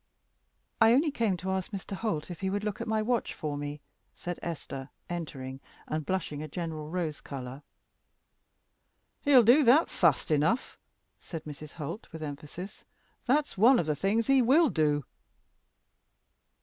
"I only came to ask Mr. Holt if he would look at my watch for me," said Esther, entering, and blushing a general rose color. "He'll do that fast enough," said Mrs. Holt, with emphasis; "that's one of the things he will do."